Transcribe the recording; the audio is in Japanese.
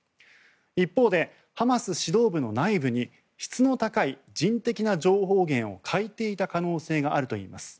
一方で、ハマス指導部の内部に質の高い人的な情報源を欠いていた可能性があるといいます。